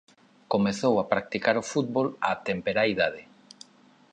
Comezou a practicar o fútbol a temperá idade.